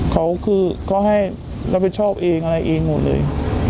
เขาคือเขาให้รับผิดชอบเองอะไรเองหมดเลย